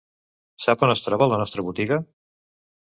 Sap on es troba la nostra botiga?